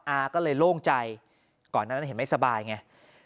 อาก็เลยโล่งใจก่อนนั้นเห็นไม่สบายไง